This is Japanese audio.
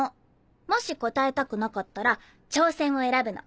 もし答えたくなかったら「挑戦」を選ぶの。